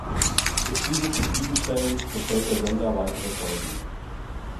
Ist diese zufriedenstellend, bestellt der Sender weitere Folgen.